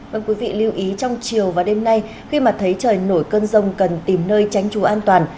vâng quý vị lưu ý trong chiều và đêm nay khi mà thấy trời nổi cơn rông cần tìm nơi tránh trú an toàn